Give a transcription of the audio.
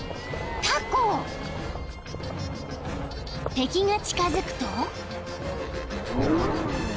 ［敵が近づくと］